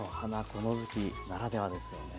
この時期ならではですよね。